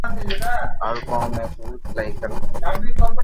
مارو ڪوم ھي سوٽ سلائي ڪرو